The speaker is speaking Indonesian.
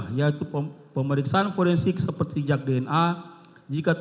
kita harus membuatnya